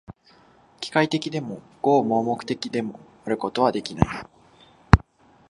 機械的でも、合目的的でもあることはできない。